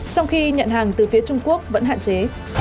trong khi nhận hàng từ phía trung quốc vẫn hạn chế